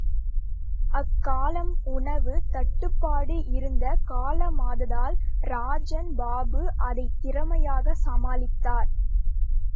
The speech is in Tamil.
அக்காலம் உணவுத் தட்டுப்பாடு இருந்த காலமாதலால் ராஜன் பாபு அதைத் திறமையாகச் சமாளித்தார்.